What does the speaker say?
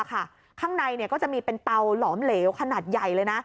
ข้างในก็จะมีเป็นเตาหลอมเหลวขนาดใหญ่เลยนะ